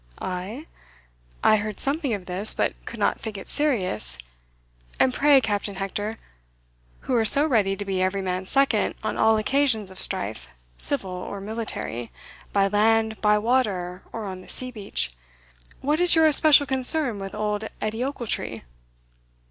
"Ay? I heard something of this, but could not think it serious. And pray, Captain Hector, who are so ready to be every man's second on all occasions of strife, civil or military, by land, by water, or on the sea beach, what is your especial concern with old Edie Ochiltree?"